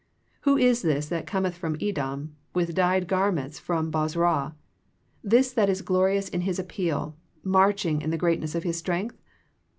" Who is this that cometh from Edom, with dyed garments from Bozrah? this that is glorious in His apparel, marching in the greatness of His strength?"